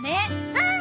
うん！